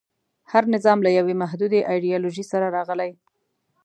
هر نظام له یوې محدودې ایډیالوژۍ سره راغلی.